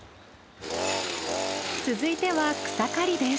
続いては草刈りです。